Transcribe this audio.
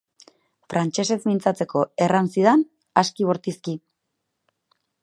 Frantsesez mintzatzeko erran zidan, aski bortizki.